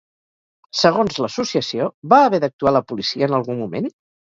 Segons l'associació, va haver d'actuar la policia en algun moment?